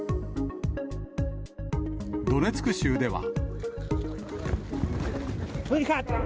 ドネツク州では。